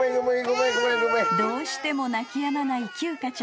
［どうしても泣きやまないきゅうかちゃん］